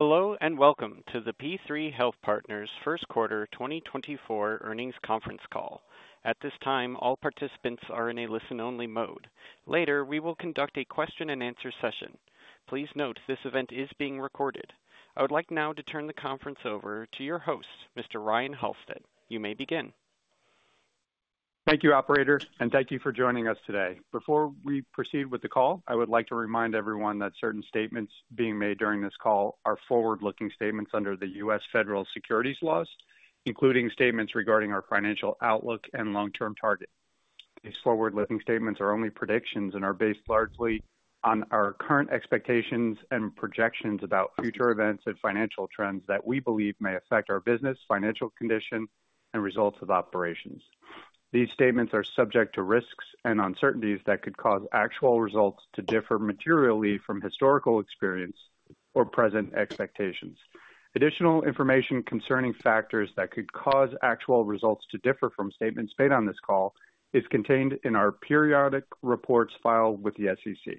Hello and welcome to the P3 Health Partners First Quarter 2024 earnings conference call. At this time, all participants are in a listen-only mode. Later, we will conduct a question-and-answer session. Please note, this event is being recorded. I would like now to turn the conference over to your host, Mr. Ryan Halstead. You may begin. Thank you, operator, and thank you for joining us today. Before we proceed with the call, I would like to remind everyone that certain statements being made during this call are forward-looking statements under the U.S. Federal Securities laws, including statements regarding our financial outlook and long-term targets. These forward-looking statements are only predictions and are based largely on our current expectations and projections about future events and financial trends that we believe may affect our business, financial condition, and results of operations. These statements are subject to risks and uncertainties that could cause actual results to differ materially from historical experience or present expectations. Additional information concerning factors that could cause actual results to differ from statements made on this call is contained in our periodic reports filed with the SEC.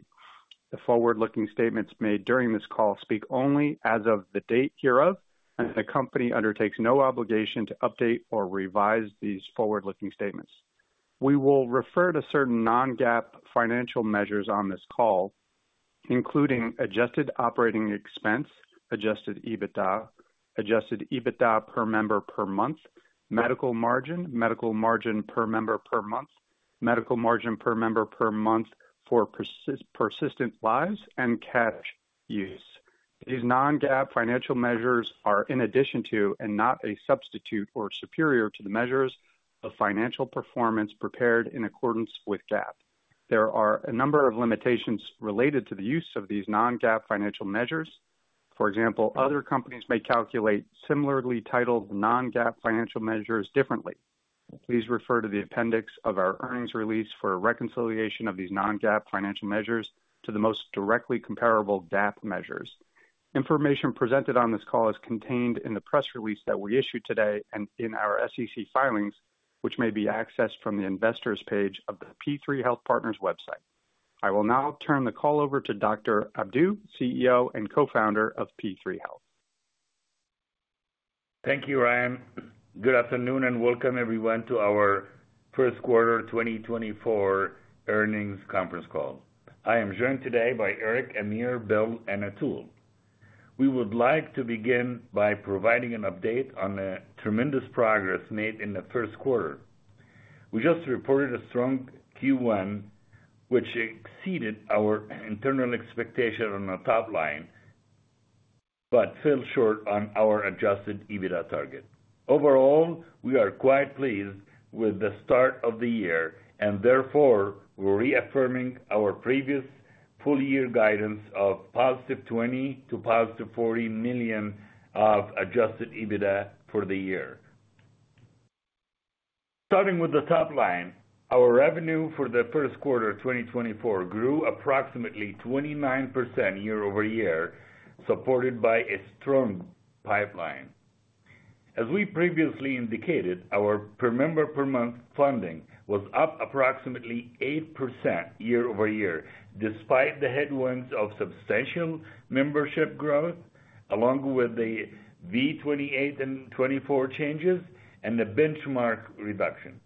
The forward-looking statements made during this call speak only as of the date hereof, and the company undertakes no obligation to update or revise these forward-looking statements. We will refer to certain non-GAAP financial measures on this call, including adjusted operating expense, Adjusted EBITDA, Adjusted EBITDA per member per month, medical margin, medical margin per member per month, medical margin per member per month for persistent lives, and cash use. These non-GAAP financial measures are in addition to and not a substitute or superior to the measures of financial performance prepared in accordance with GAAP. There are a number of limitations related to the use of these non-GAAP financial measures. For example, other companies may calculate similarly titled non-GAAP financial measures differently. Please refer to the appendix of our earnings release for reconciliation of these non-GAAP financial measures to the most directly comparable GAAP measures. Information presented on this call is contained in the press release that we issue today and in our SEC filings, which may be accessed from the investors' page of the P3 Health Partners website. I will now turn the call over to Dr. Abdou, CEO and Co-Founder of P3 Health. Thank you, Ryan. Good afternoon and welcome, everyone, to our first quarter 2024 earnings conference call. I am joined today by Aric, Amir, Bill, and Atul. We would like to begin by providing an update on the tremendous progress made in the first quarter. We just reported a strong Q1, which exceeded our internal expectation on the top line but fell short on our Adjusted EBITDA target. Overall, we are quite pleased with the start of the year, and therefore we're reaffirming our previous full-year guidance of +$20 million to +$40 million of Adjusted EBITDA for the year. Starting with the top line, our revenue for the first quarter 2024 grew approximately 29% year-over-year, supported by a strong pipeline. As we previously indicated, our per member per month funding was up approximately 8% year-over-year despite the headwinds of substantial membership growth, along with the V28 and V24 changes, and the benchmark reduction.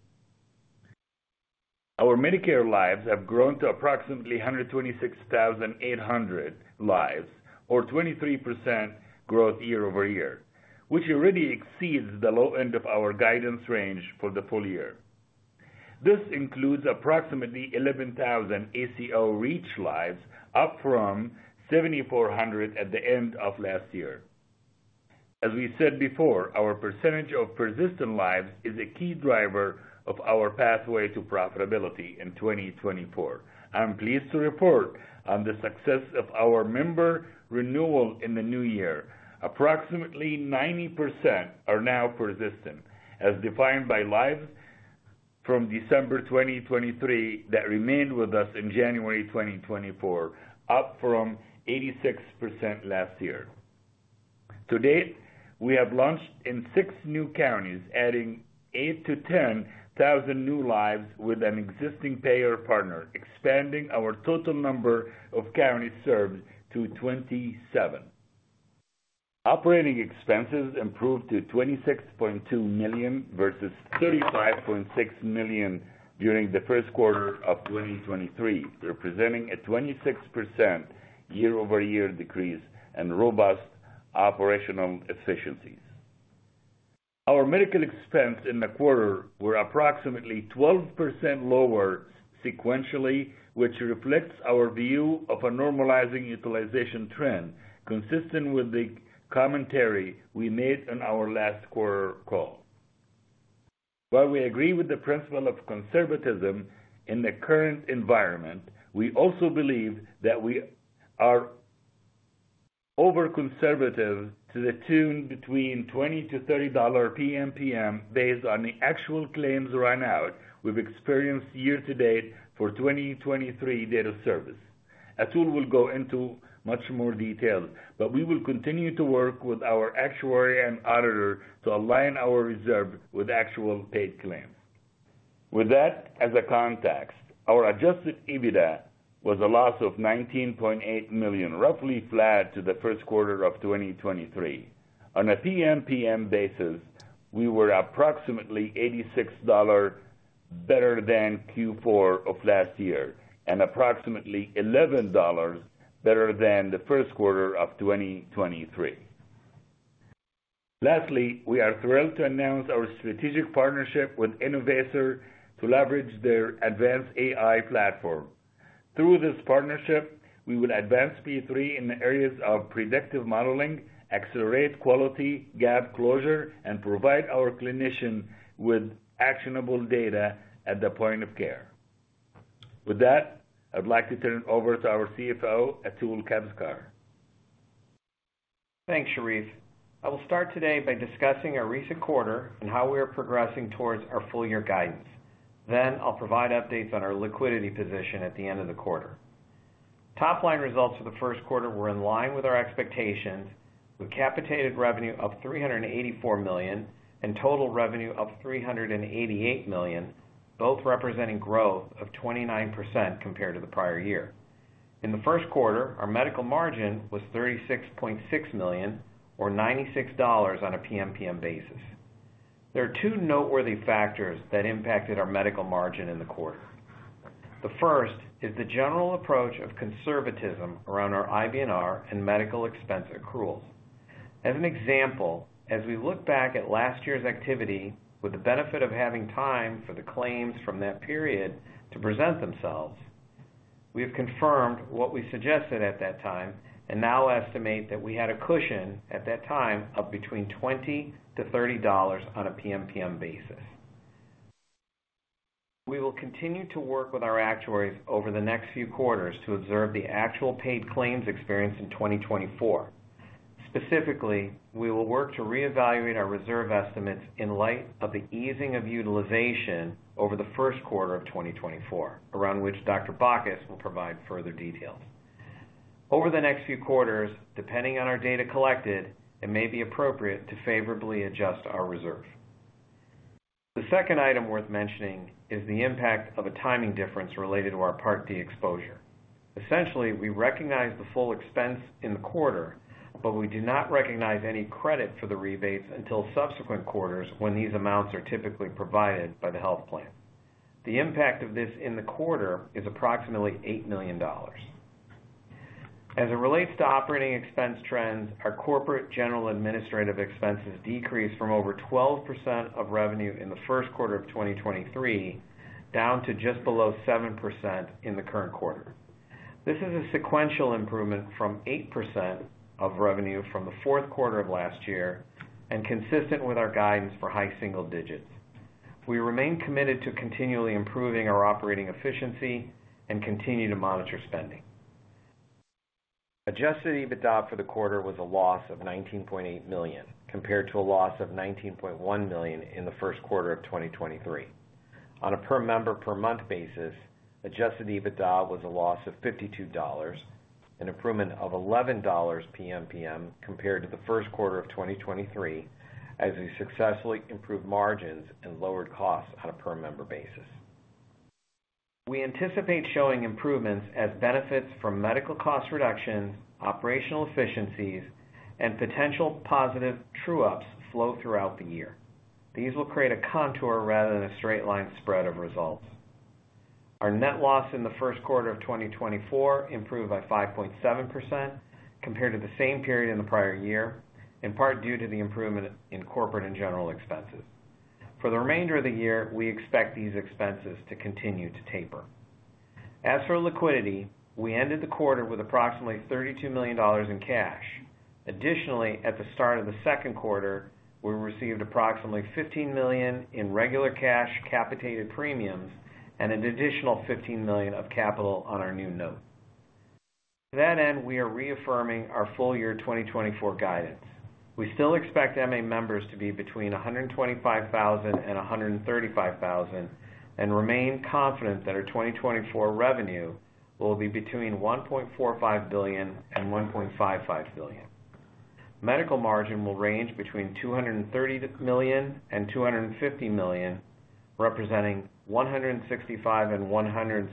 Our Medicare lives have grown to approximately 126,800 lives, or 23% growth year-over-year, which already exceeds the low end of our guidance range for the full year. This includes approximately 11,000 ACO REACH lives, up from 7,400 at the end of last year. As we said before, our percentage of persistent lives is a key driver of our pathway to profitability in 2024. I'm pleased to report on the success of our member renewal in the new year. Approximately 90% are now persistent, as defined by lives from December 2023 that remained with us in January 2024, up from 86% last year. To date, we have launched in six new counties, adding 8,000-10,000 new lives with an existing payer partner, expanding our total number of counties served to 27. Operating expenses improved to $26.2 million versus $35.6 million during the first quarter of 2023, representing a 26% year-over-year decrease and robust operational efficiencies. Our medical expense in the quarter were approximately 12% lower sequentially, which reflects our view of a normalizing utilization trend consistent with the commentary we made on our last quarter call. While we agree with the principle of conservatism in the current environment, we also believe that we are over-conservative to the tune between $20-$30 PMPM based on the actual claims run out we've experienced year-to-date for 2023 data service. Atul will go into much more detail, but we will continue to work with our actuary and auditor to align our reserve with actual paid claims. With that as a context, our Adjusted EBITDA was a loss of $19.8 million, roughly flat to the first quarter of 2023. On a PMPM basis, we were approximately $86 better than Q4 of last year and approximately $11 better than the first quarter of 2023. Lastly, we are thrilled to announce our strategic partnership with Innovaccer to leverage their advanced AI platform. Through this partnership, we will advance P3 in the areas of predictive modeling, accelerate quality gap closure, and provide our clinicians with actionable data at the point of care. With that, I'd like to turn it over to our CFO, Atul Kavthekar. Thanks, Sherif. I will start today by discussing our recent quarter and how we are progressing towards our full-year guidance. Then I'll provide updates on our liquidity position at the end of the quarter. Top-line results for the first quarter were in line with our expectations, with capitated revenue of $384 million and total revenue of $388 million, both representing growth of 29% compared to the prior year. In the first quarter, our medical margin was $36.6 million, or $96 on a PMPM basis. There are two noteworthy factors that impacted our medical margin in the quarter. The first is the general approach of conservatism around our IBNR and medical expense accruals. As an example, as we look back at last year's activity with the benefit of having time for the claims from that period to present themselves, we have confirmed what we suggested at that time and now estimate that we had a cushion at that time of between $20-$30 on a PMPM basis. We will continue to work with our actuaries over the next few quarters to observe the actual paid claims experience in 2024. Specifically, we will work to reevaluate our reserve estimates in light of the easing of utilization over the first quarter of 2024, around which Dr. Bacchus will provide further details. Over the next few quarters, depending on our data collected, it may be appropriate to favorably adjust our reserve. The second item worth mentioning is the impact of a timing difference related to our Part D exposure. Essentially, we recognize the full expense in the quarter, but we do not recognize any credit for the rebates until subsequent quarters when these amounts are typically provided by the health plan. The impact of this in the quarter is approximately $8 million. As it relates to operating expense trends, our corporate general administrative expenses decreased from over 12% of revenue in the first quarter of 2023 down to just below 7% in the current quarter. This is a sequential improvement from 8% of revenue from the fourth quarter of last year and consistent with our guidance for high single digits. We remain committed to continually improving our operating efficiency and continue to monitor spending. Adjusted EBITDA for the quarter was a loss of $19.8 million compared to a loss of $19.1 million in the first quarter of 2023. On a per member per month basis, Adjusted EBITDA was a loss of $52, an improvement of $11 PMPM compared to the first quarter of 2023 as we successfully improved margins and lowered costs on a per member basis. We anticipate showing improvements as benefits from medical cost reductions, operational efficiencies, and potential positive true-ups flow throughout the year. These will create a contour rather than a straight-line spread of results. Our net loss in the first quarter of 2024 improved by 5.7% compared to the same period in the prior year, in part due to the improvement in corporate and general expenses. For the remainder of the year, we expect these expenses to continue to taper. As for liquidity, we ended the quarter with approximately $32 million in cash. Additionally, at the start of the second quarter, we received approximately $15 million in regular cash capitated premiums and an additional $15 million of capital on our new note. To that end, we are reaffirming our full-year 2024 guidance. We still expect MA members to be between $125,000 and $135,000 and remain confident that our 2024 revenue will be between $1.45 billion and $1.55 billion. Medical margin will range between $230 million and $250 million, representing $165 and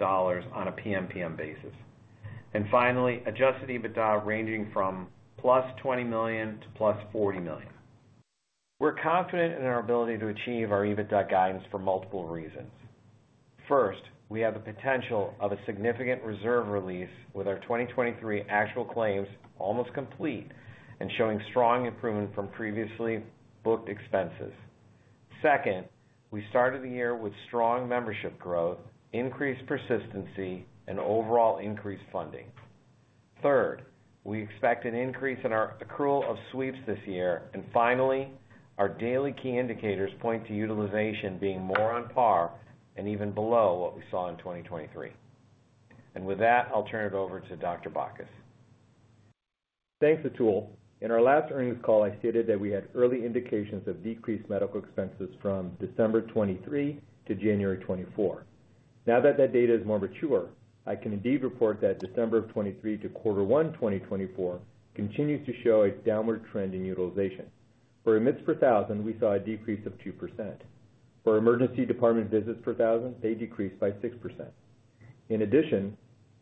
$175 on a PMPM basis. And finally, Adjusted EBITDA ranging from +$20 million to +$40 million. We're confident in our ability to achieve our EBITDA guidance for multiple reasons. First, we have the potential of a significant reserve release with our 2023 actual claims almost complete and showing strong improvement from previously booked expenses. Second, we started the year with strong membership growth, increased persistency, and overall increased funding. Third, we expect an increase in our accrual of sweeps this year. And finally, our daily key indicators point to utilization being more on par and even below what we saw in 2023. And with that, I'll turn it over to Dr. Bacchus. Thanks, Atul. In our last earnings call, I stated that we had early indications of decreased medical expenses from December 2023 to January 2024. Now that that data is more mature, I can indeed report that December 2023 to quarter 1 2024 continues to show a downward trend in utilization. For Admits per 1,000, we saw a decrease of 2%. For emergency department visits per 1,000, they decreased by 6%. In addition,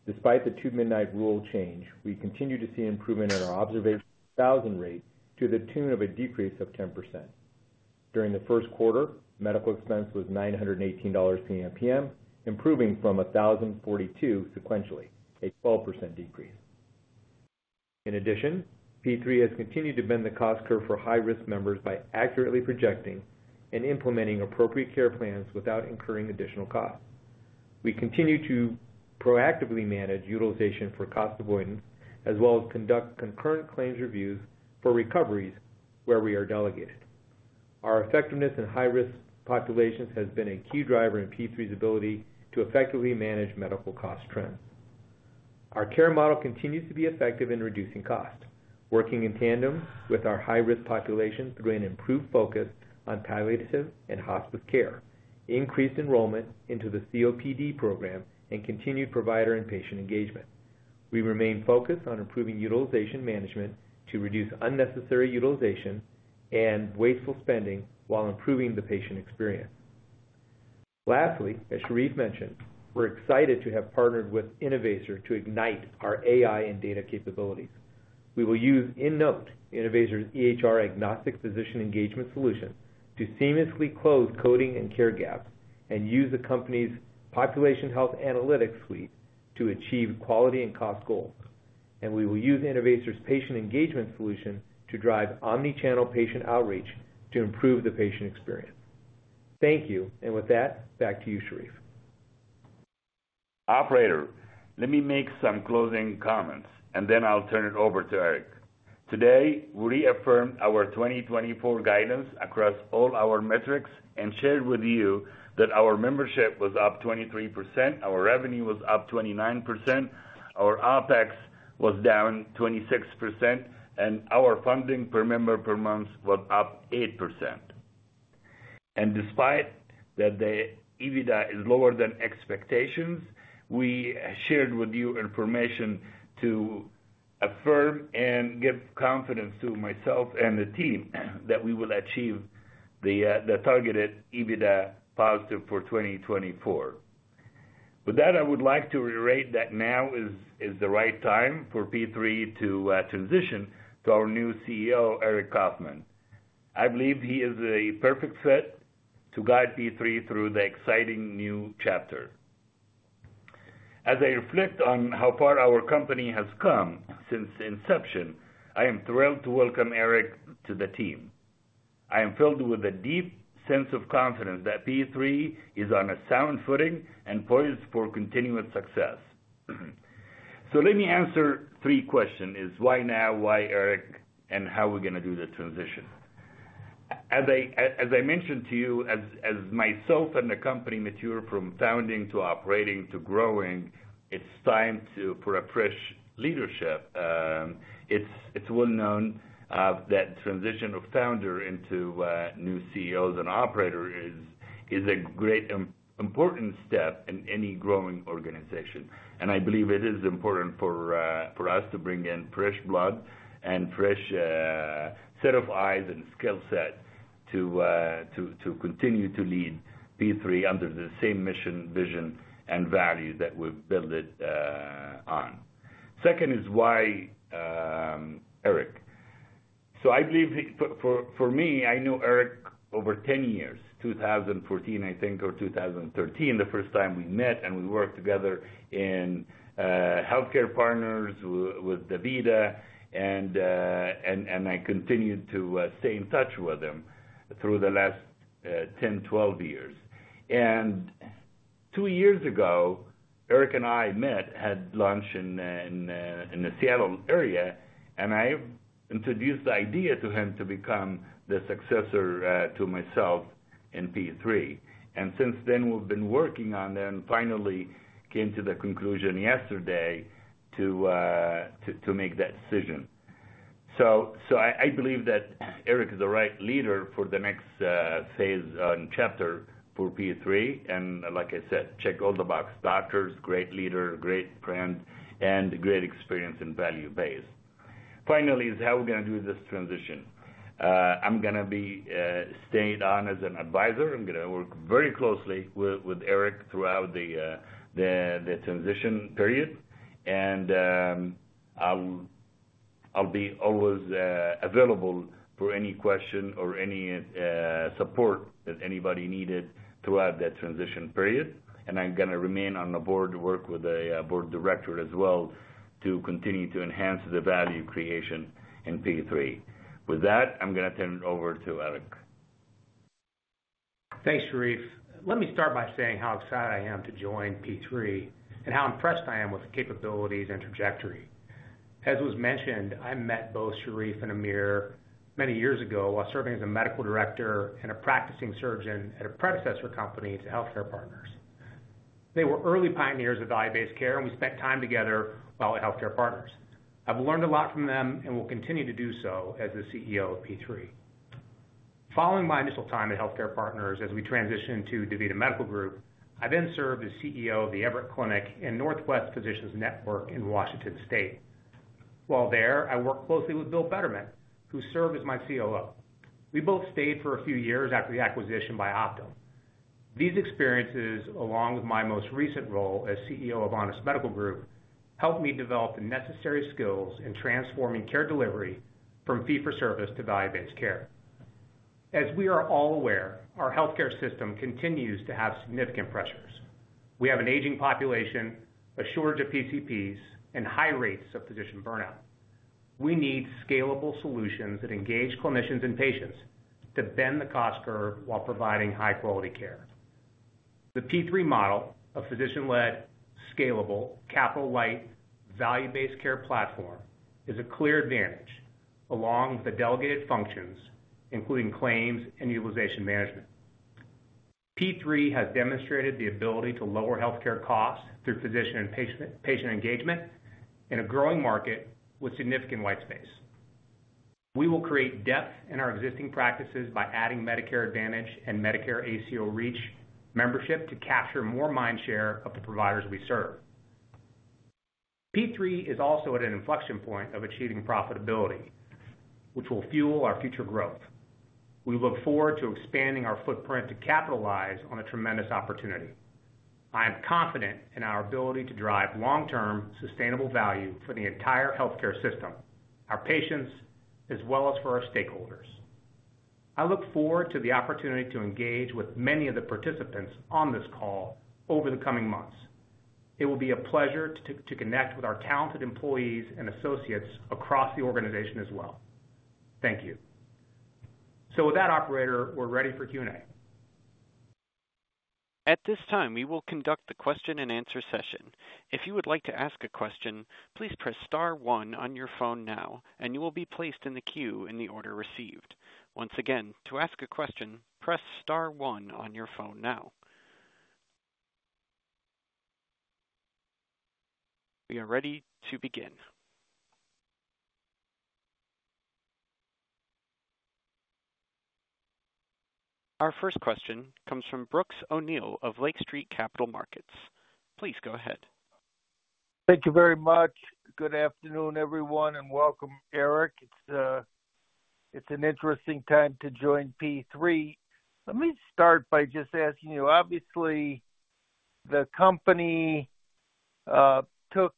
despite the Two-Midnight Rule change, we continue to see improvement in our observation per 1,000 rate to the tune of a decrease of 10%. During the first quarter, medical expense was $918 PMPM, improving from $1,042 sequentially, a 12% decrease. In addition, P3 has continued to bend the cost curve for high-risk members by accurately projecting and implementing appropriate care plans without incurring additional costs. We continue to proactively manage utilization for cost avoidance as well as conduct concurrent claims reviews for recoveries where we are delegated. Our effectiveness in high-risk populations has been a key driver in P3's ability to effectively manage medical cost trends. Our care model continues to be effective in reducing cost, working in tandem with our high-risk population through an improved focus on palliative and hospice care, increased enrollment into the COPD program, and continued provider and patient engagement. We remain focused on improving utilization management to reduce unnecessary utilization and wasteful spending while improving the patient experience. Lastly, as Sherif mentioned, we're excited to have partnered with Innovaccer to ignite our AI and data capabilities. We will use InNote, Innovaccer's EHR-agnostic physician engagement solution, to seamlessly close coding and care gaps and use the company's population health analytics suite to achieve quality and cost goals. We will use Innovaccer's patient engagement solution to drive omnichannel patient outreach to improve the patient experience. Thank you. With that, back to you, Sherif. Operator, let me make some closing comments, and then I'll turn it over to Aric. Today, we reaffirmed our 2024 guidance across all our metrics and shared with you that our membership was up 23%, our revenue was up 29%, our OpEx was down 26%, and our funding per member per month was up 8%. Despite that the EBITDA is lower than expectations, we shared with you information to affirm and give confidence to myself and the team that we will achieve the targeted EBITDA positive for 2024. With that, I would like to reiterate that now is the right time for P3 to transition to our new CEO, Aric Coffman. I believe he is a perfect fit to guide P3 through the exciting new chapter. As I reflect on how far our company has come since inception, I am thrilled to welcome Aric to the team. I am filled with a deep sense of confidence that P3 is on a sound footing and poised for continuous success. So let me answer three questions: why now, why Aric, and how we're going to do the transition. As I mentioned to you, as myself and the company mature from founding to operating to growing, it's time for a fresh leadership. It's well known that the transition of founder into new CEOs and operator is a great important step in any growing organization. And I believe it is important for us to bring in fresh blood and fresh set of eyes and skill set to continue to lead P3 under the same mission, vision, and value that we've built it on. Second is why, Aric. So I believe for me, I know Aric over 10 years, 2014, I think, or 2013, the first time we met and we worked together in HealthCare Partners with DaVita, and I continued to stay in touch with him through the last 10, 12 years. Two years ago, Aric and I met, had lunch in the Seattle area, and I introduced the idea to him to become the successor to myself in P3. And since then, we've been working on that and finally came to the conclusion yesterday to make that decision. So I believe that Aric is the right leader for the next phase and chapter for P3. And like I said, check all the box: doctors, great leader, great friend, and great experience and value based. Finally, is how we're going to do this transition. I'm going to stay on as an advisor. I'm going to work very closely with Aric throughout the transition period. I'll be always available for any question or any support that anybody needed throughout that transition period. I'm going to remain on the board to work with the board director as well to continue to enhance the value creation in P3. With that, I'm going to turn it over to Aric. Thanks, Sherif. Let me start by saying how excited I am to join P3 and how impressed I am with the capabilities and trajectory. As was mentioned, I met both Sherif and Amir many years ago while serving as a medical director and a practicing surgeon at a predecessor company to HealthCare Partners. They were early pioneers of value-based care, and we spent time together while at HealthCare Partners. I've learned a lot from them and will continue to do so as the CEO of P3. Following my initial time at HealthCare Partners as we transitioned to DaVita Medical Group, I then served as CEO of The Everett Clinic and Northwest Physicians Network in Washington State. While there, I worked closely with Bill Bettermann, who served as my COO. We both stayed for a few years after the acquisition by Optum. These experiences, along with my most recent role as CEO of Honest Medical Group, helped me develop the necessary skills in transforming care delivery from fee-for-service to value-based care. As we are all aware, our healthcare system continues to have significant pressures. We have an aging population, a shortage of PCPs, and high rates of physician burnout. We need scalable solutions that engage clinicians and patients to bend the cost curve while providing high-quality care. The P3 model of physician-led, scalable, capital-light, value-based care platform is a clear advantage along with the delegated functions, including claims and utilization management. P3 has demonstrated the ability to lower healthcare costs through physician and patient engagement in a growing market with significant white space. We will create depth in our existing practices by adding Medicare Advantage and Medicare ACO REACH membership to capture more mindshare of the providers we serve. P3 is also at an inflection point of achieving profitability, which will fuel our future growth. We look forward to expanding our footprint to capitalize on a tremendous opportunity. I am confident in our ability to drive long-term, sustainable value for the entire healthcare system, our patients, as well as for our stakeholders. I look forward to the opportunity to engage with many of the participants on this call over the coming months. It will be a pleasure to connect with our talented employees and associates across the organization as well. Thank you. So with that, operator, we're ready for Q&A. At this time, we will conduct the question-and-answer session. If you would like to ask a question, please press star 1 on your phone now, and you will be placed in the queue in the order received. Once again, to ask a question, press star 1 on your phone now. We are ready to begin. Our first question comes from Brooks O'Neil of Lake Street Capital Markets. Please go ahead. Thank you very much. Good afternoon, everyone, and welcome, Aric. It's an interesting time to join P3. Let me start by just asking you, obviously, the company took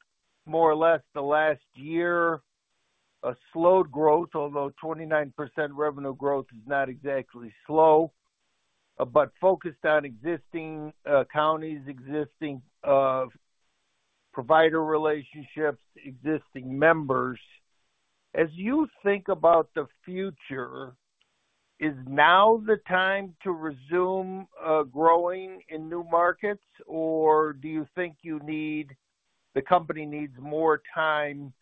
more or less the last year a slowed growth, although 29% revenue growth is not exactly slow, but focused on existing counties, existing provider relationships, existing members. As you think about the future, is now the time to resume growing in new markets, or do you think the company needs more time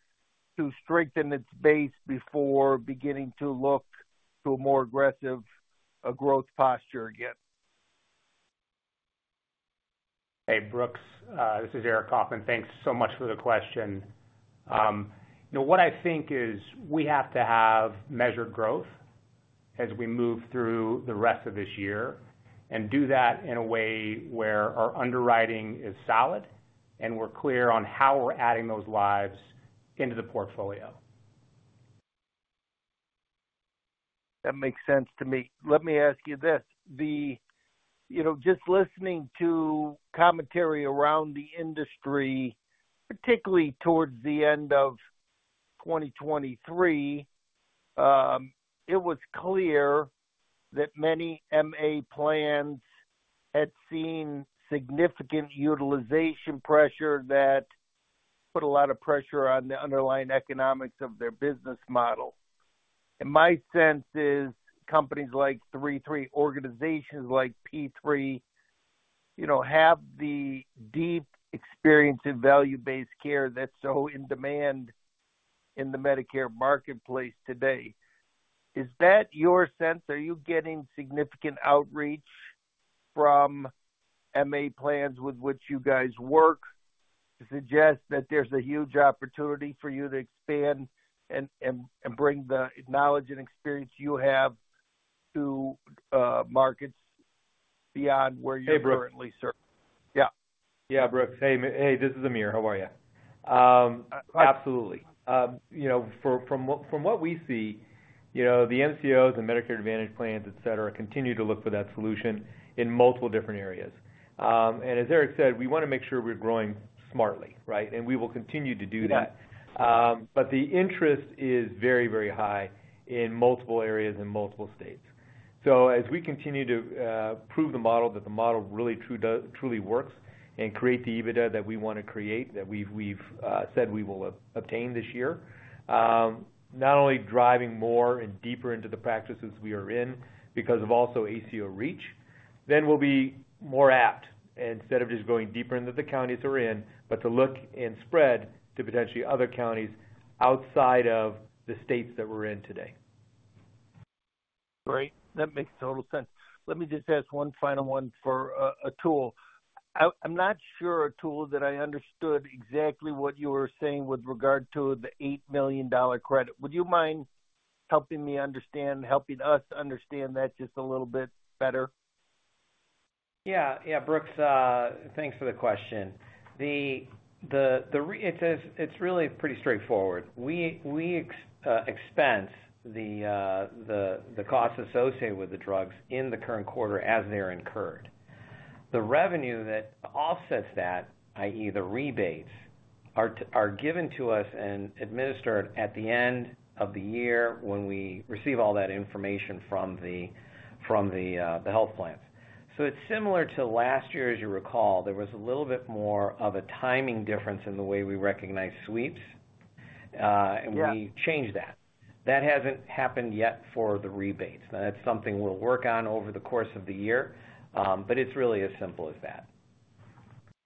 to strengthen its base before beginning to look to a more aggressive growth posture again? Hey, Brooks. This is Aric Coffman. Thanks so much for the question. What I think is we have to have measured growth as we move through the rest of this year and do that in a way where our underwriting is solid and we're clear on how we're adding those lives into the portfolio. That makes sense to me. Let me ask you this. Just listening to commentary around the industry, particularly towards the end of 2023, it was clear that many MA plans had seen significant utilization pressure that put a lot of pressure on the underlying economics of their business model. And my sense is companies like P3, organizations like P3, have the deep experience in value-based care that's so in demand in the Medicare marketplace today. Is that your sense? Are you getting significant outreach from MA plans with which you guys work to suggest that there's a huge opportunity for you to expand and bring the knowledge and experience you have to markets beyond where you're currently serving? Hey, Brooks. Yeah. Yeah, Brooks. Hey, this is Amir. How are you? Absolutely. From what we see, the MCOs and Medicare Advantage plans, etc., continue to look for that solution in multiple different areas. And as Aric said, we want to make sure we're growing smartly, right? And we will continue to do that. But the interest is very, very high in multiple areas and multiple states. So as we continue to prove the model, that the model really truly works, and create the EBITDA that we want to create, that we've said we will obtain this year, not only driving more and deeper into the practices we are in because of also ACO REACH, then we'll be more apt, instead of just going deeper into the counties we're in, but to look and spread to potentially other counties outside of the states that we're in today. Great. That makes total sense. Let me just ask one final one for Atul. I'm not sure, Atul, that I understood exactly what you were saying with regard to the $8 million credit. Would you mind helping me understand, helping us understand that just a little bit better? Yeah. Yeah, Brooks, thanks for the question. It's really pretty straightforward. We expense the costs associated with the drugs in the current quarter as they're incurred. The revenue that offsets that, i.e., the rebates, are given to us and administered at the end of the year when we receive all that information from the health plans. So it's similar to last year, as you recall. There was a little bit more of a timing difference in the way we recognize sweeps, and we changed that. That hasn't happened yet for the rebates. That's something we'll work on over the course of the year, but it's really as simple as that.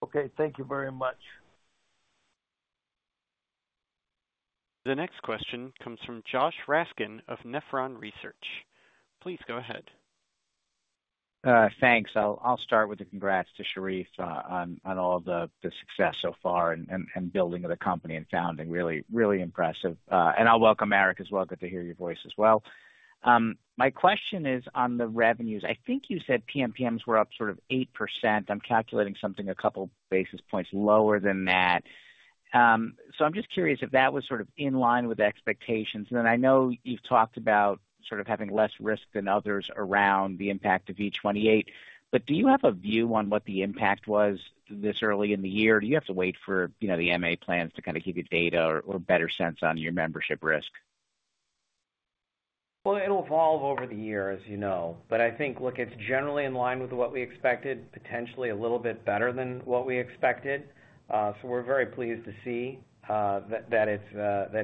Okay. Thank you very much. The next question comes from Josh Raskin of Nephron Research. Please go ahead. Thanks. I'll start with a congrats to Sherif on all the success so far and building of the company and founding. Really impressive. I'll welcome Aric as well. Good to hear your voice as well. My question is on the revenues. I think you said PMPMs were up sort of 8%. I'm calculating something a couple basis points lower than that. I'm just curious if that was sort of in line with expectations. Then I know you've talked about sort of having less risk than others around the impact of V28, but do you have a view on what the impact was this early in the year? Do you have to wait for the MA plans to kind of give you data or a better sense on your membership risk? Well, it'll evolve over the year, as you know. But I think, look, it's generally in line with what we expected, potentially a little bit better than what we expected. So we're very pleased to see that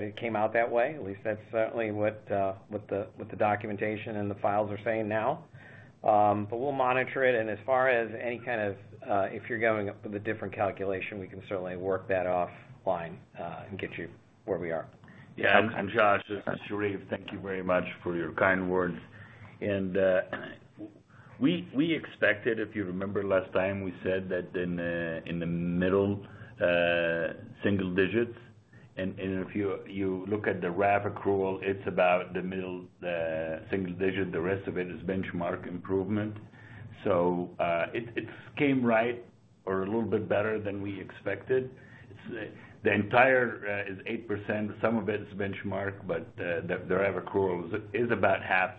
it came out that way. At least that's certainly what the documentation and the files are saying now. But we'll monitor it. As far as any kind of if you're going up with a different calculation, we can certainly work that offline and get you where we are. Yeah. And Josh, Sherif, thank you very much for your kind words. We expected, if you remember last time, we said that in the middle single digits. If you look at the RAF accrual, it's about the middle single digit. The rest of it is benchmark improvement. So it came right or a little bit better than we expected. The entire is 8%. Some of it is benchmark, but the RAF accrual is about half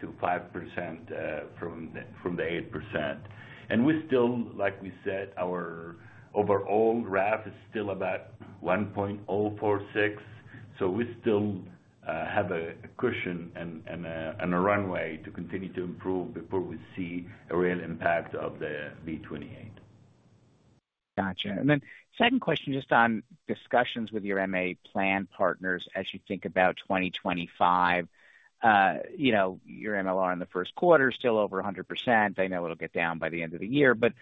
to 5% from the 8%. We still, like we said, our overall RAF is still about 1.046. So we still have a cushion and a runway to continue to improve before we see a real impact of the V28. Gotcha. And then second question, just on discussions with your MA plan partners as you think about 2025. Your MLR in the first quarter is still over 100%. I know it'll get down by the end of the year, but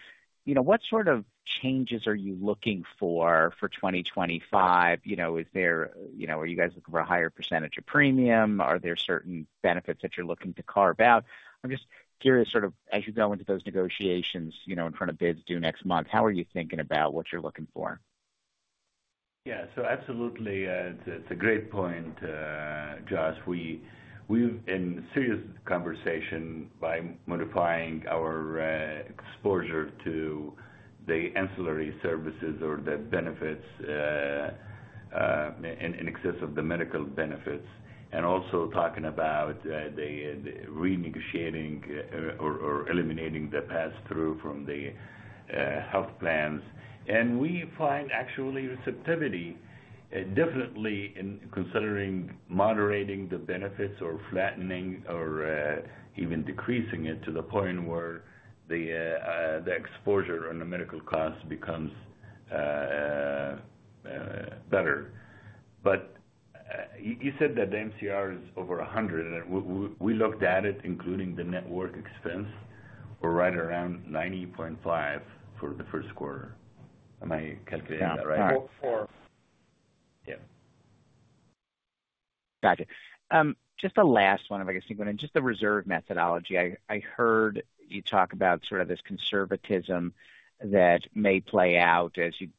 what sort of changes are you looking for for 2025? Are you guys looking for a higher percentage of premium? Are there certain benefits that you're looking to carve out? I'm just curious, sort of as you go into those negotiations in front of bids due next month, how are you thinking about what you're looking for? Yeah. So absolutely, it's a great point, Josh. We're in serious conversation by modifying our exposure to the ancillary services or the benefits, in excess of the medical benefits, and also talking about renegotiating or eliminating the pass-through from the health plans. And we find, actually, receptivity definitely in considering moderating the benefits or flattening or even decreasing it to the point where the exposure on the medical costs becomes better. But you said that the MCR is over 100. We looked at it, including the network expense, we're right around 90.5 for the first quarter. Am I calculating that right? Yeah. 4. Yeah. Gotcha. Just the last one, if I can sneak one in, just the reserve methodology. I heard you talk about sort of this conservatism that may play out as you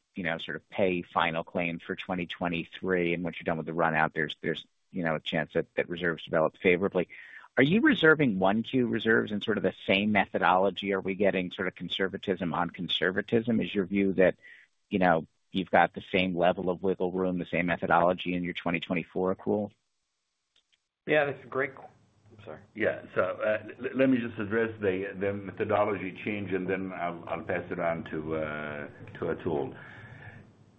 sort of pay final claim for 2023, and once you're done with the runout, there's a chance that reserves develop favorably. Are you reserving 1Q reserves in sort of the same methodology? Are we getting sort of conservatism on conservatism? Is your view that you've got the same level of wiggle room, the same methodology in your 2024 accrual? Yeah. That's a great. I'm sorry. Yeah. So let me just address the methodology change, and then I'll pass it on to Atul.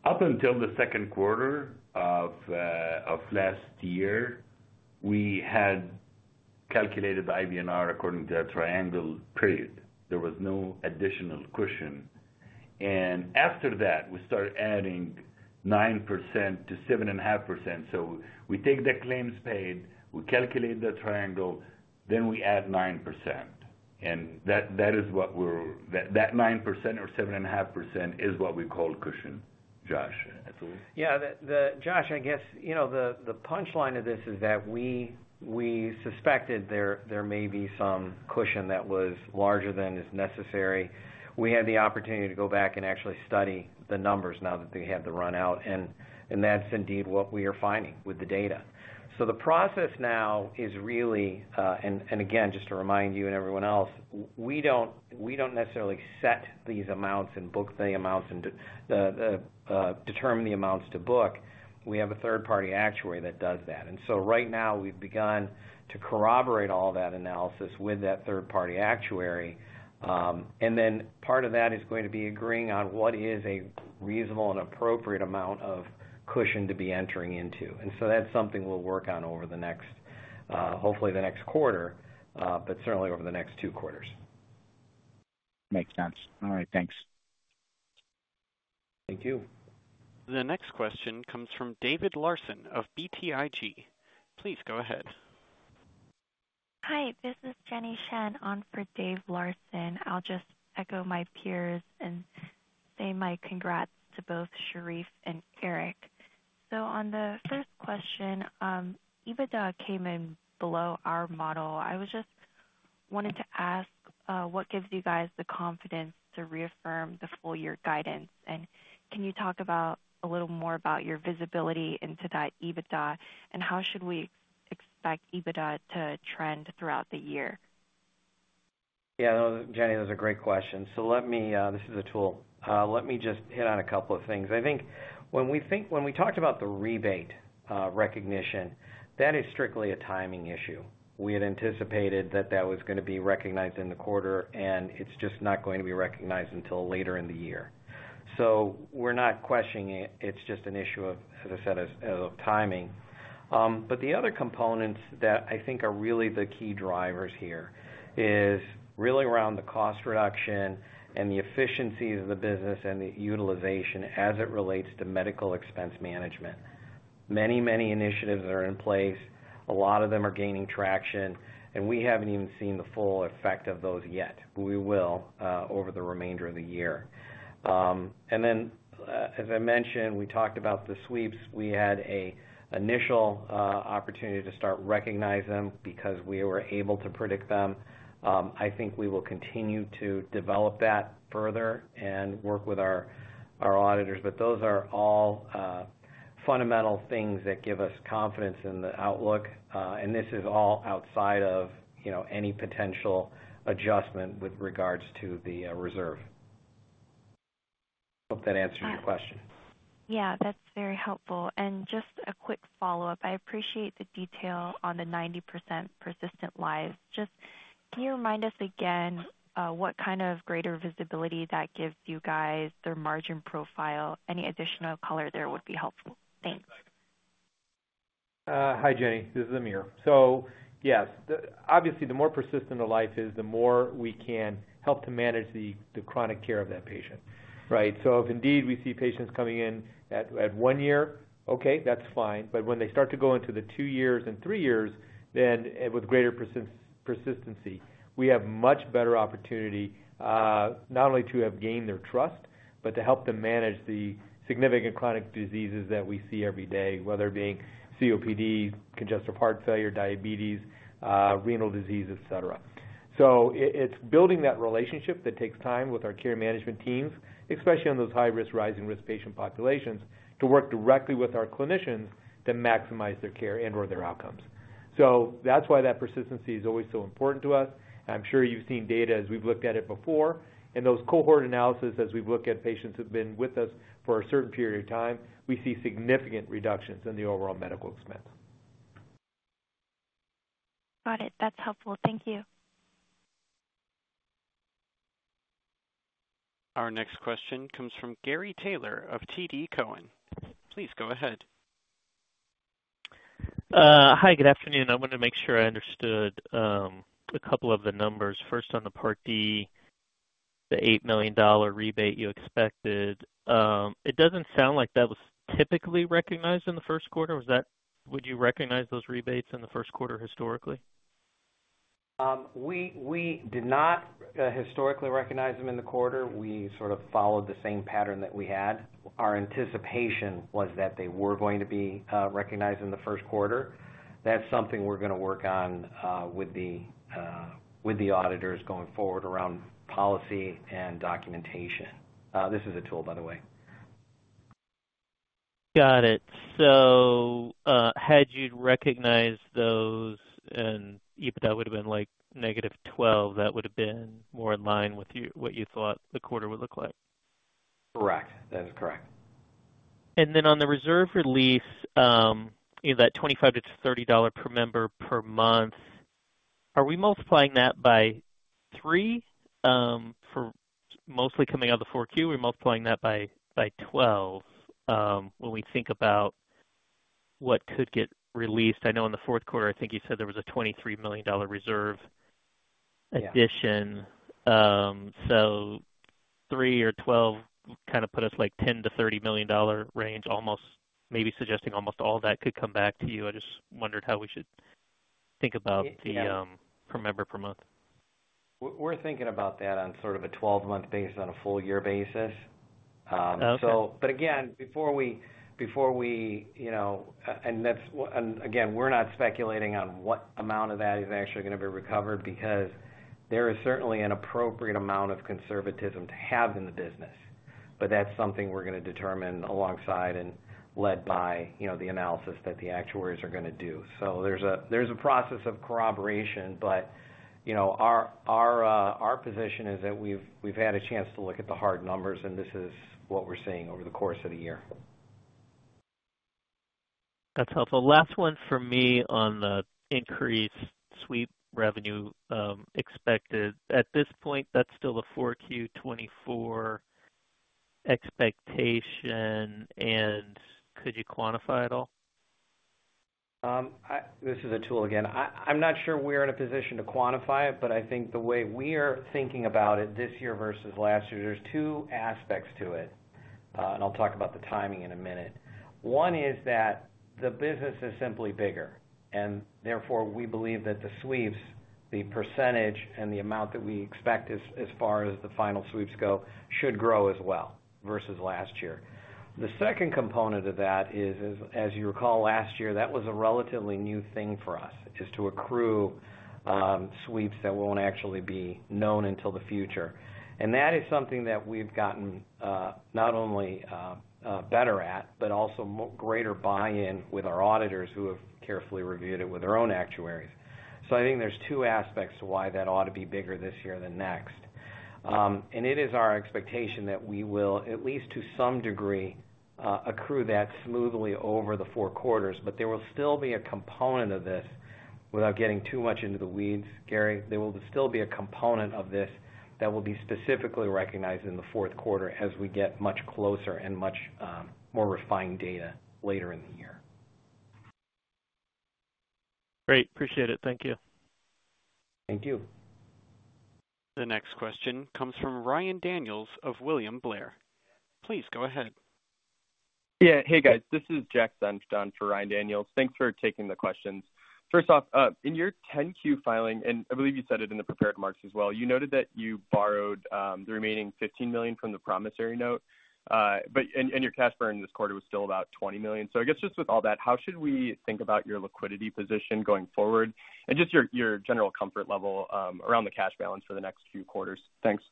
Up until the second quarter of last year, we had calculated the IBNR according to a triangle period. There was no additional cushion. And after that, we started adding 9%-7.5%. So we take the claims paid, we calculate the triangle, then we add 9%. And that is what we're that 9% or 7.5% is what we call cushion, Josh. Atul? Yeah. Josh, I guess the punchline of this is that we suspected there may be some cushion that was larger than is necessary. We had the opportunity to go back and actually study the numbers now that they had the runout. And that's indeed what we are finding with the data. So the process now is really, and again, just to remind you and everyone else, we don't necessarily set these amounts and book the amounts and determine the amounts to book. We have a third-party actuary that does that. And so right now, we've begun to corroborate all that analysis with that third-party actuary. And then part of that is going to be agreeing on what is a reasonable and appropriate amount of cushion to be entering into. And so that's something we'll work on over the next, hopefully, the next quarter, but certainly over the next two quarters. Makes sense. All right. Thanks. Thank you. The next question comes from David Larsen of BTIG. Please go ahead. Hi. This is Jenny Shen on for David Larsen. I'll just echo my peers and say my congrats to both Sherif and Aric. On the first question, EBITDA came in below our model. I just wanted to ask, what gives you guys the confidence to reaffirm the full-year guidance? And can you talk about a little more about your visibility into that EBITDA, and how should we expect EBITDA to trend throughout the year? Yeah. Jenny, that's a great question. So this is Atul. Let me just hit on a couple of things. I think when we talked about the rebate recognition, that is strictly a timing issue. We had anticipated that that was going to be recognized in the quarter, and it's just not going to be recognized until later in the year. So we're not questioning it. It's just an issue of, as I said, timing. But the other components that I think are really the key drivers here is really around the cost reduction and the efficiencies of the business and the utilization as it relates to medical expense management. Many, many initiatives are in place. A lot of them are gaining traction. And we haven't even seen the full effect of those yet. We will over the remainder of the year. And then, as I mentioned, we talked about the sweeps. We had an initial opportunity to start recognizing them because we were able to predict them. I think we will continue to develop that further and work with our auditors. But those are all fundamental things that give us confidence in the outlook. And this is all outside of any potential adjustment with regards to the reserve. Hope that answers your question. Yeah. That's very helpful. And just a quick follow-up. I appreciate the detail on the 90% persistent lives. Just can you remind us again what kind of greater visibility that gives you guys their margin profile? Any additional color there would be helpful. Thanks. Hi, Jenny. This is Amir. So yes, obviously, the more persistent life is, the more we can help to manage the chronic care of that patient, right? So if indeed we see patients coming in at one year, okay, that's fine. But when they start to go into the two years and three years, then with greater persistency, we have much better opportunity not only to have gained their trust, but to help them manage the significant chronic diseases that we see every day, whether it being COPD, congestive heart failure, diabetes, renal disease, etc. So it's building that relationship that takes time with our care management teams, especially on those high-risk, rising-risk patient populations, to work directly with our clinicians to maximize their care and/or their outcomes. So that's why that persistency is always so important to us. I'm sure you've seen data as we've looked at it before. In those cohort analyses, as we've looked at patients who've been with us for a certain period of time, we see significant reductions in the overall medical expense. Got it. That's helpful. Thank you. Our next question comes from Gary Taylor of TD Cowen. Please go ahead. Hi. Good afternoon. I wanted to make sure I understood a couple of the numbers. First, on the Part D, the $8 million rebate you expected, it doesn't sound like that was typically recognized in the first quarter. Would you recognize those rebates in the first quarter historically? We did not historically recognize them in the quarter. We sort of followed the same pattern that we had. Our anticipation was that they were going to be recognized in the first quarter. That's something we're going to work on with the auditors going forward around policy and documentation. This is Atul, by the way. Got it. So had you recognized those and EBITDA would have been -$12, that would have been more in line with what you thought the quarter would look like? Correct. That is correct. Then on the reserve release, that $25-$30 per member per month, are we multiplying that by 3? Mostly coming out of the 4Q, we're multiplying that by 12 when we think about what could get released. I know in the fourth quarter, I think you said there was a $23 million reserve addition. So 3 or 12 kind of put us $10-$30 million range, maybe suggesting almost all that could come back to you. I just wondered how we should think about the per member per month. We're thinking about that on sort of a 12-month basis on a full-year basis. But again, before we and again, we're not speculating on what amount of that is actually going to be recovered because there is certainly an appropriate amount of conservatism to have in the business. But that's something we're going to determine alongside and led by the analysis that the actuaries are going to do. So there's a process of corroboration, but our position is that we've had a chance to look at the hard numbers, and this is what we're seeing over the course of the year. That's helpful. Last one for me on the increased sweep revenue expected. At this point, that's still the Q4 2024 expectation. And could you quantify it all? This is Atul again. I'm not sure we're in a position to quantify it, but I think the way we are thinking about it this year versus last year, there's two aspects to it. I'll talk about the timing in a minute. One is that the business is simply bigger. Therefore, we believe that the sweeps, the percentage and the amount that we expect as far as the final sweeps go should grow as well versus last year. The second component of that is, as you recall, last year that was a relatively new thing for us, is to accrue sweeps that won't actually be known until the future. That is something that we've gotten not only better at, but also greater buy-in with our auditors who have carefully reviewed it with their own actuaries. I think there's two aspects to why that ought to be bigger this year than next. It is our expectation that we will, at least to some degree, accrue that smoothly over the four quarters. There will still be a component of this without getting too much into the weeds, Gary. There will still be a component of this that will be specifically recognized in the fourth quarter as we get much closer and much more refined data later in the year. Great. Appreciate it. Thank you. Thank you. The next question comes from Ryan Daniels of William Blair. Please go ahead. Yeah. Hey, guys. This is Jack Dunston for Ryan Daniels. Thanks for taking the questions. First off, in your 10-Q filing - and I believe you said it in the prepared remarks as well - you noted that you borrowed the remaining $15 million from the promissory note, and your cash burn this quarter was still about $20 million. So I guess just with all that, how should we think about your liquidity position going forward and just your general comfort level around the cash balance for the next few quarters? Thanks.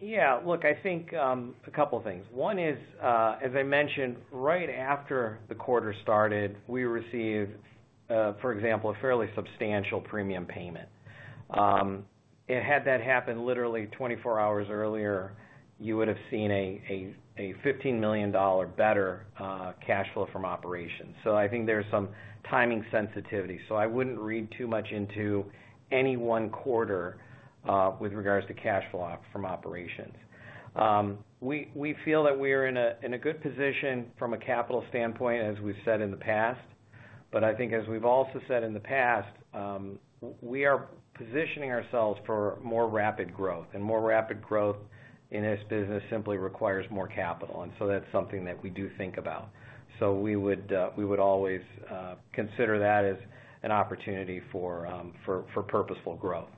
Yeah. Look, I think a couple of things. One is, as I mentioned, right after the quarter started, we received, for example, a fairly substantial premium payment. Had that happened literally 24 hours earlier, you would have seen a $15 million better cash flow from operations. I think there's some timing sensitivity. I wouldn't read too much into any one quarter with regards to cash flow from operations. We feel that we are in a good position from a capital standpoint, as we've said in the past. But I think, as we've also said in the past, we are positioning ourselves for more rapid growth. More rapid growth in this business simply requires more capital. That's something that we do think about. We would always consider that as an opportunity for purposeful growth.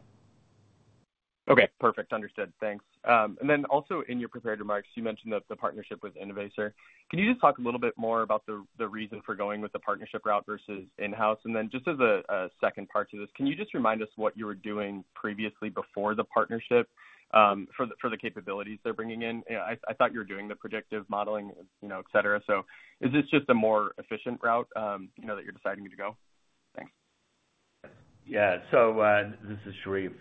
Okay. Perfect. Understood. Thanks. And then also, in your prepared remarks, you mentioned the partnership with Innovaccer. Can you just talk a little bit more about the reason for going with the partnership route versus in-house? And then just as a second part to this, can you just remind us what you were doing previously before the partnership for the capabilities they're bringing in? I thought you were doing the predictive modeling, etc. So is this just a more efficient route that you're deciding to go? Thanks. Yeah. So this is Sherif.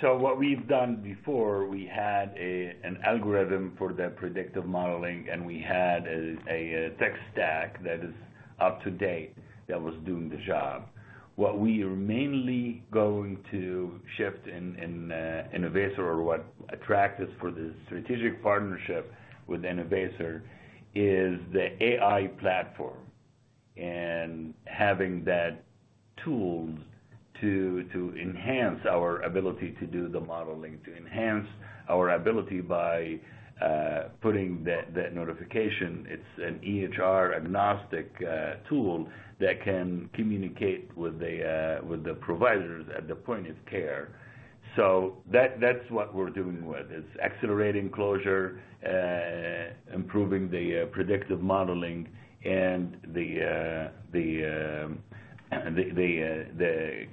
So what we've done before, we had an algorithm for the predictive modeling, and we had a tech stack that is up to date that was doing the job. What we are mainly going to shift in Innovaccer or what attracts us for this strategic partnership with Innovaccer is the AI platform and having that tool to enhance our ability to do the modeling, to enhance our ability by putting that notification. It's an EHR-agnostic tool that can communicate with the providers at the point of care. So that's what we're doing with. It's accelerating closure, improving the predictive modeling, and the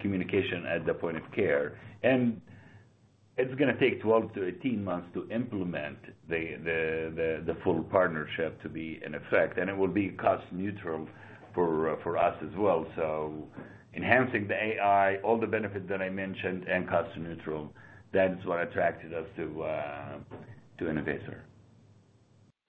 communication at the point of care. And it will be cost-neutral for us as well. And it's going to take 12-18 months to implement the full partnership to be in effect. Enhancing the AI, all the benefits that I mentioned, and cost-neutral, that is what attracted us to Innovaccer.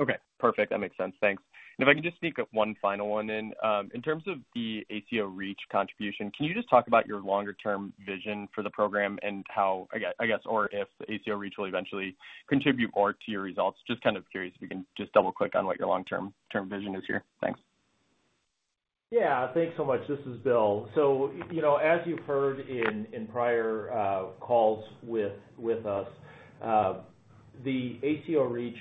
Okay. Perfect. That makes sense. Thanks. And if I can just sneak one final one in. In terms of the ACO REACH contribution, can you just talk about your longer-term vision for the program and how, I guess, or if the ACO REACH will eventually contribute more to your results? Just kind of curious if we can just double-click on what your long-term vision is here. Thanks. Yeah. Thanks so much. This is Bill. So as you've heard in prior calls with us, the ACO REACH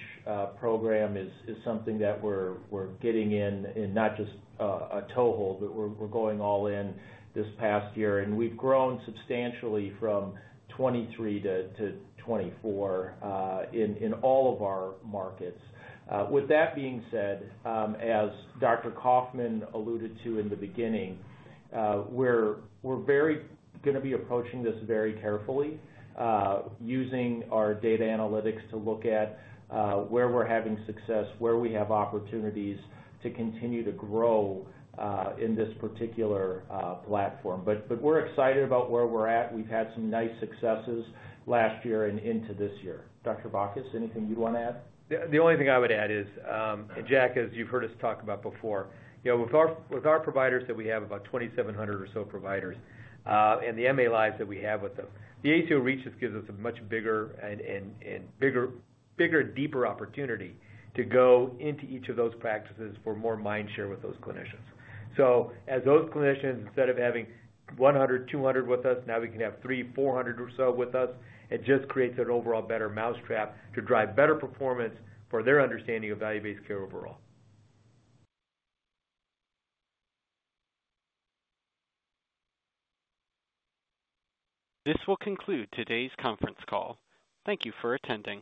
program is something that we're getting in, not just a toehold, but we're going all in this past year. And we've grown substantially from 2023 to 2024 in all of our markets. With that being said, as Dr. Coffman alluded to in the beginning, we're going to be approaching this very carefully, using our data analytics to look at where we're having success, where we have opportunities to continue to grow in this particular platform. But we're excited about where we're at. We've had some nice successes last year and into this year. Dr. Bacchus, anything you'd want to add? The only thing I would add is, and Jack, as you've heard us talk about before, with our providers that we have, about 2,700 or so providers, and the MA lives that we have with them, the ACO REACH just gives us a much bigger and deeper opportunity to go into each of those practices for more mindshare with those clinicians. So as those clinicians, instead of having 100, 200 with us, now we can have 300, 400 or so with us. It just creates an overall better mouse trap to drive better performance for their understanding of value-based care overall. This will conclude today's conference call. Thank you for attending.